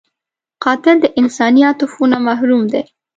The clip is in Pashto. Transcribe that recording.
قاتل د انساني عاطفو نه محروم دی